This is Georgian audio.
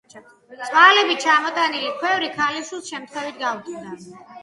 წვალებით ჩამოტანილი ქვევრი, ქალიშვილს შემთხვევით გაუტყდა.